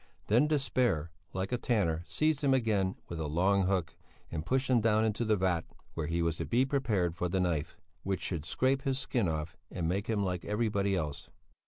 Then despair, like a tanner, seized him again with a long hook, and pushed him down into the vat, where he was to be prepared for the knife, which should scrape his skin off and make him like everybody else.